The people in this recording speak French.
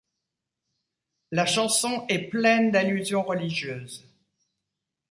La chanson est pleine d'allusions religieuses.